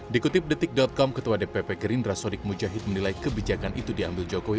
dikutip detik com ketua dpp gerindra sodik mujahid menilai kebijakan itu diambil jokowi